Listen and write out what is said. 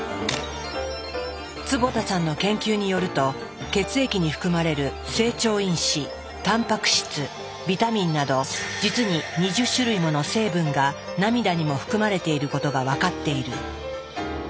坪田さんの研究によると血液に含まれる成長因子タンパク質ビタミンなど実に２０種類もの成分が涙にも含まれていることが分かっている。